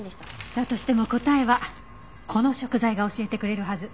だとしても答えはこの食材が教えてくれるはず。